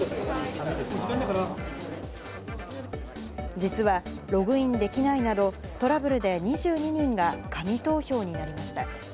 実は、ログインできないなど、トラブルで２２人が紙投票になりました。